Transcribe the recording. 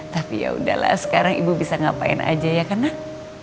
tapi yaudahlah sekarang ibu bisa ngapain aja ya karena